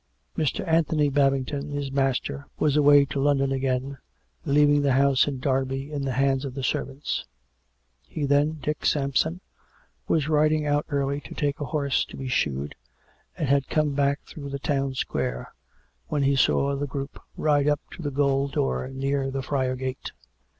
Mr. Anthony Babington, his master, was away to Lon don again, leaving the house in Derby in the hands of the servants. He then — Dick Sampson — was riding out early to take a horse to be shoed, and had come back through the town square, when he saw the group ride up to the gaol door near the Friar Gate.